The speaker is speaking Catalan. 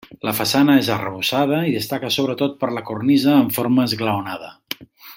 La façana és arrebossada i destaca sobretot per la cornisa en forma esglaonada.